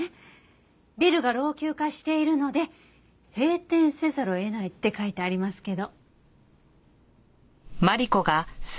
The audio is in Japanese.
「ビルが老朽化しているので閉店せざるを得ない」って書いてありますけど。